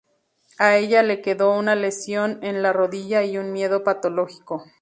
A ella le quedó una lesión en la rodilla y un miedo patológico.